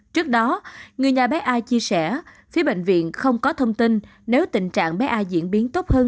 trước đó người nhà bé a chia sẻ phía bệnh viện không có thông tin nếu tình trạng bé a diễn biến tốt hơn